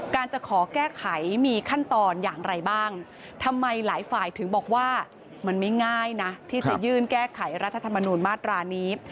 จะขอแก้ไขมีขั้นตอนอย่างไรบ้างทำไมหลายฝ่ายถึงบอกว่ามันไม่ง่ายนะที่จะยื่นแก้ไขรัฐธรรมนูญมาตรานี้